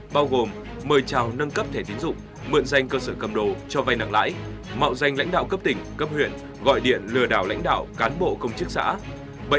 bao gồm mời trào nâng cấp thẻ tín dụng mượn danh cơ sở cầm đồ cho vai nặng lãi mạo danh lãnh đạo cấp tỉnh cấp huyện gọi điện lừa đảo lãnh đạo cán bộ công chức xã